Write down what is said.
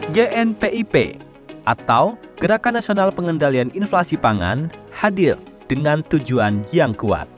gnpip atau gerakan nasional pengendalian inflasi pangan hadir dengan tujuan yang kuat